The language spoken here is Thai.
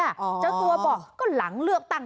เจ้าตัวบอกก็หลังเลือกตั้ง